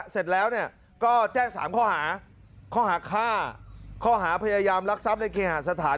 เสร็จแล้วก็แจ้ง๓ข้อหาข้อหาฆ่าข้อหาพยายามรักทรัพย์ในเคหาสถาน